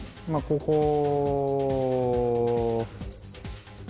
まぁここ。